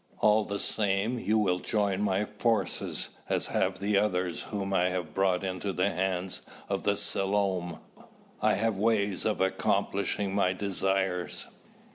All the same, you will join my forces as have the others whom I have brought into the hands of the Selom. I have ways of accomplishing my desires.